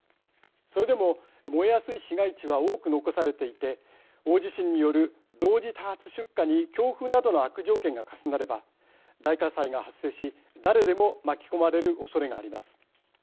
それでも燃えやすい市街地は多く残されていて大地震による同時多発出火に強風などの悪条件が重なれば大火災が発生し誰でも巻き込まれるおそれがあります。